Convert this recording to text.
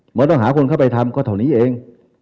หมอยหาคนเข้าไปทำก็เท่านี้เอง